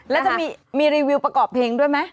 แล้วจะมีรีวิวประกอบเพลงด้วยไหม